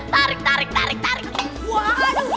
tarik tarik tarik tarik semua